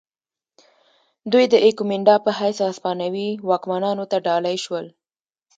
دوی د ایکومینډا په حیث هسپانوي واکمنانو ته ډالۍ شول.